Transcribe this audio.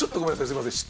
すいません。